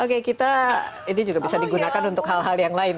oke kita ini juga bisa digunakan untuk hal hal yang lain